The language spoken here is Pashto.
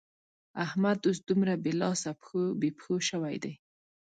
احمد اوس دومره بې لاس او بې پښو شوی دی.